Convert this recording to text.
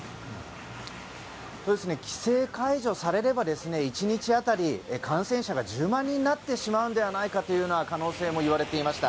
規制解除されれば１日当たりの感染者が１０万人になってしまうんじゃないかというような可能性も言われていました。